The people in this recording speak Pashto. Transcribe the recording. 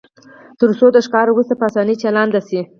ترڅو د ښکار وروسته په اسانۍ چالان شي